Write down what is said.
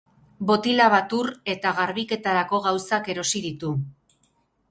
Botila bat ur eta garbiketarako gauzak erosi ditu.